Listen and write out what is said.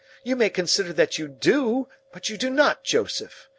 You may consider that you do, but you do not, Joseph.